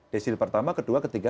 desil pertama kedua ketiga